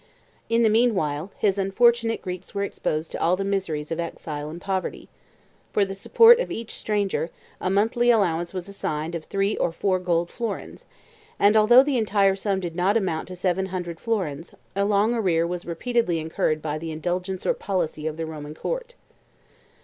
58 In the mean while, his unfortunate Greeks were exposed to all the miseries of exile and poverty; for the support of each stranger, a monthly allowance was assigned of three or four gold florins; and although the entire sum did not amount to seven hundred florins, a long arrear was repeatedly incurred by the indigence or policy of the Roman court.